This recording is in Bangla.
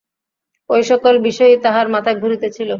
ঐসকল বিষয়ই তাহার মাথায় ঘুরিতেছে।